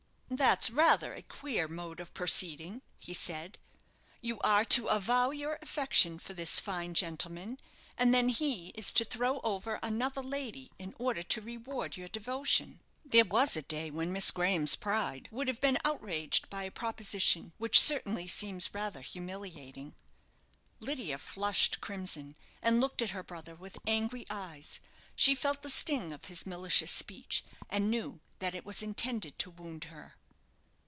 "That's rather a queer mode of proceeding," he said. "You are to avow your affection for this fine gentleman, and then he is to throw over another lady in order to reward your devotion. There was a day when Miss Graham's pride would have been outraged by a proposition which certainly seems rather humiliating." Lydia flushed crimson, and looked at her brother with angry eyes. She felt the sting of his malicious speech, and knew that it was intended to wound her.